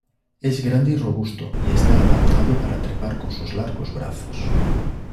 Es grande y robusto y está adaptado para trepar con sus largos brazos.